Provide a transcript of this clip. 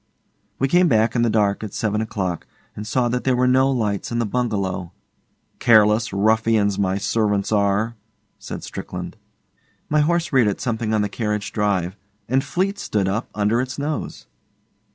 We came back in the dark at seven o'clock, and saw that there were no lights in the bungalow. 'Careless ruffians my servants are!' said Strickland. My horse reared at something on the carriage drive, and Fleete stood up under its nose.